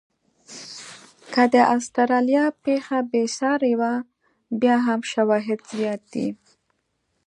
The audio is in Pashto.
که د استرالیا پېښه بې ساري وه، بیا هم شواهد زیات دي.